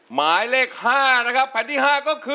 หมายเลข๕นะครับแผ่นที่๕ก็คือ